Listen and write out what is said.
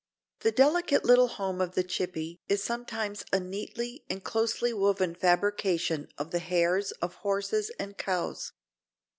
The delicate little home of the Chippy is sometimes a neatly and closely woven fabrication of the hairs of horses and cows.